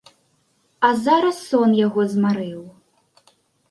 А зараз сон яго змарыў.